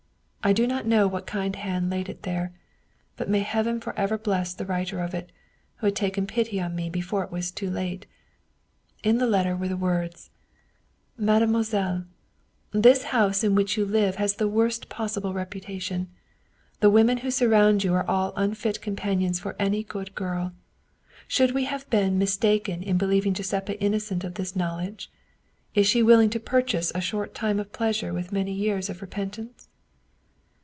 I do not know what kind hand laid it there, but may heaven for ever bless the writer of it, who had taken pity on me before it was too late ! In the letter were the words : '"MADEMOISELLE 1 '' This house in which you live has the worst possible reputation. The women who surround you are unfit companions for any good girl. Should we have been mistaken in believing Giuseppa innocent of this knowledge? Is she willing to purchase a short time of pleasure with many years of repentance